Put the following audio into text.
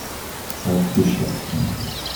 Ça a coûté cher.